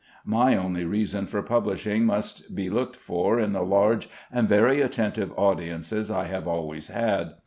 My only reason for publishing must be looked for in the large and very attentive audiences I have always had.